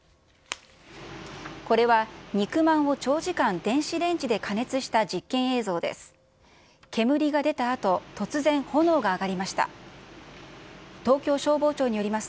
これは肉まんを長時間、電子レンジで加熱した実験映像です。